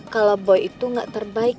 kalau boy itu gak terbaik